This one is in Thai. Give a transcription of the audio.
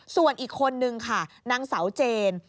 ส่วนอีกคนนึงค่ะนางเสาเจน